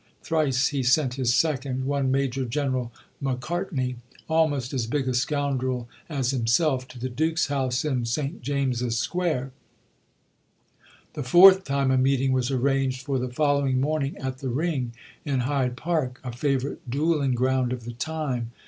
Thrice he sent his second, one Major General Macartney, almost as big a scoundrel as himself, to the Duke's house in St James's Square; the fourth time a meeting was arranged for the following morning at the Ring, in Hyde Park, a favourite duelling ground of the time.